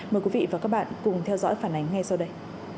mời quý vị và các bạn cùng theo dõi phản ánh ngay sau đây